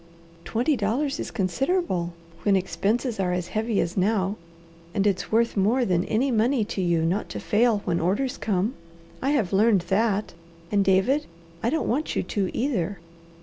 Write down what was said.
"Twenty dollars is considerable, when expenses are as heavy as now. And it's worth more than any money to you not to fail when orders come. I have learned that, and David, I don't want you to either.